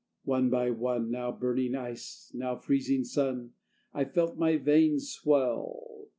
One by one, Now burning ice, now freezing sun, I felt my veins swell.